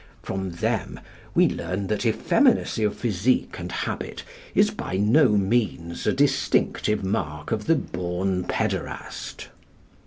From them we learn that effeminacy of physique and habit is by no means a distinctive mark of the born pæderast.